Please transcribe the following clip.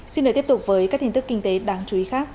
xin để tiếp tục với các tin tức kinh tế đáng chú ý khác